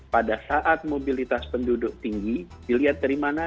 pada saat mobilitas penduduk tinggi dilihat dari mana